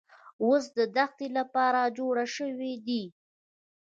اوښ د دښتې لپاره جوړ شوی دی